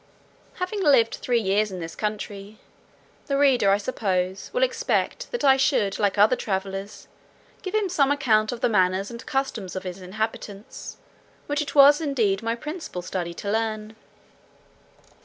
Having lived three years in this country, the reader, I suppose, will expect that I should, like other travellers, give him some account of the manners and customs of its inhabitants, which it was indeed my principal study to learn.